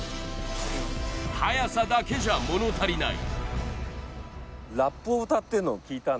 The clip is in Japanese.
速さだけじゃ物足りない。